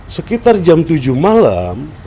sekitar jam tujuh malam